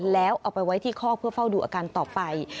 แล้วเอาไปไว้ที่คอกเพื่อเฝ้าดูอาการต่อไป